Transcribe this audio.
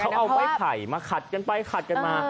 เขาเอาไม้ไผ่มาขัดกันไปขัดกันมา